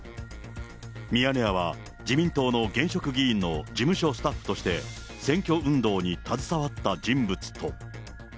ミヤネ屋は、自民党の現職議員の事務所スタッフとして、選挙運動に携わった人物と。